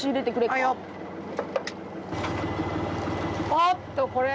おっとこれ。